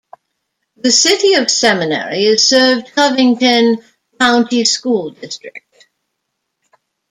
The city of Seminary is served Covington County School District.